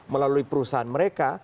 melalui perusahaan mereka